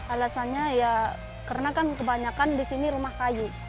alasannya ya karena kan kebanyakan di sini rumah kayu